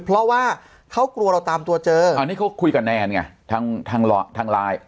เพราะว่าเขากลัวเราตามตัวเจออันนี้เขาคุยกับแนนไงทางทางไลน์